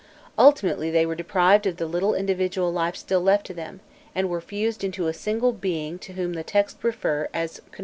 Ultimately they were deprived of the little individual life still left to them, and were fused into a single being to whom the texts refer as Khomninû, the god Eight.